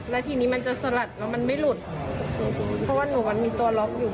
แล้วทีนี้มันจะสลัดแล้วมันไม่หลุดเพราะว่าหนูมันมีตัวล็อกอยู่